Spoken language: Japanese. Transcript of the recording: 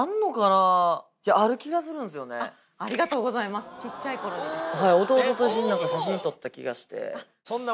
ありがとうございます小っちゃい頃にですか？